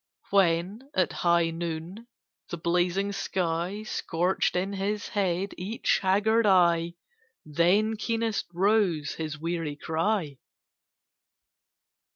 When, at high Noon, the blazing sky Scorched in his head each haggard eye, Then keenest rose his weary cry.